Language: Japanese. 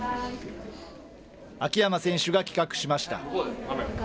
秋山選手が企画しました。